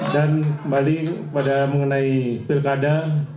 dan balik pada mengenai pilkada